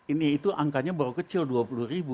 ini itu angkanya baru kecil rp dua puluh